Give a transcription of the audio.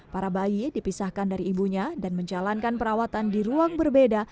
para bayi dipisahkan dari ibunya dan menjalankan perawatan di ruang berbeda